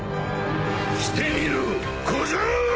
来てみろ小僧！